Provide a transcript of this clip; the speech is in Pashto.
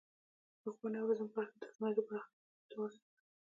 د ښوونې او روزنې په برخه کې د تکنالوژۍ پراختیا ډیره ګټوره ده.